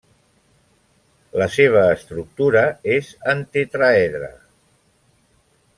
La seva estructura és en tetraedre.